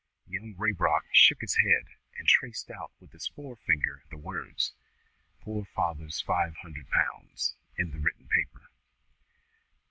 Young Raybrock shook his head, and traced out with his fore finger the words, "poor father's five hundred pounds," in the written paper.